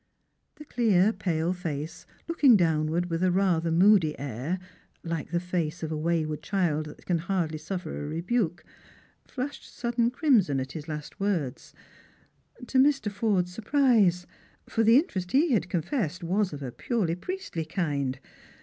The clear pale face, looking downward with rather a mood v air, like the face of a wayward child that can hardly suilV r a rebuke, flushed sudden crimson at his last words. To Jli . Forde's surprise ; for the interest he had confessed was of a purely priestly kind.